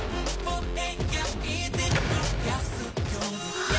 あ！